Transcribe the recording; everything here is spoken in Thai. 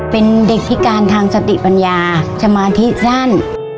เป็นเด็กพิการทางสติปัญญาสมาธิสั้น